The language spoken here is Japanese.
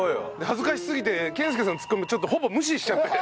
恥ずかしすぎて健介さんのツッコミもちょっとほぼ無視しちゃって。